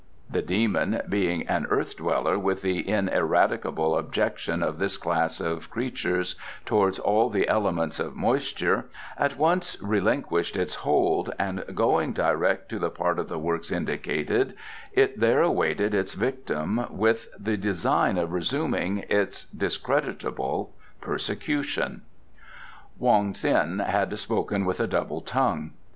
The demon, being an earth dweller with the ineradicable objection of this class of creatures towards all the elements of moisture, at once relinquished its hold, and going direct to the part of the works indicated, it there awaited its victim with the design of resuming its discreditable persecution. Wong Ts'in had spoken with a double tongue.